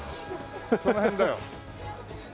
その辺だよ。